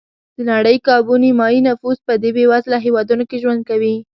د نړۍ کابو نیمایي نفوس په دې بېوزله هېوادونو کې ژوند کوي.